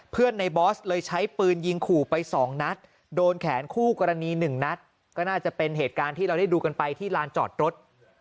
ในบอสเลยใช้ปืนยิงขู่ไปสองนัดโดนแขนคู่กรณีหนึ่งนัดก็น่าจะเป็นเหตุการณ์ที่เราได้ดูกันไปที่ลานจอดรถ